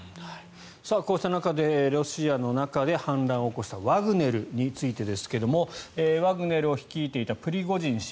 こうした中でロシアで反乱を起こしたワグネルについてですがワグネルを率いていたプリゴジン氏。